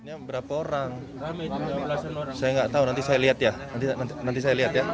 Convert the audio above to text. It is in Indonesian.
ada tindakan tegas